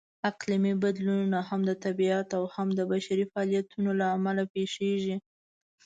اقلیمي بدلونونه هم د طبیعت او هم د بشري فعالیتونو لهامله پېښېږي.